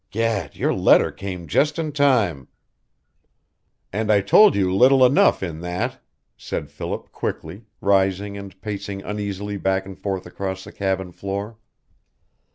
Gad, your letter came just in time!" "And I told you little enough in that," said Philip, quickly, rising and pacing uneasily back and forth across the cabin floor.